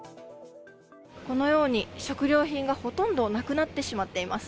このように、食料品がほとんどなくなってしまっています。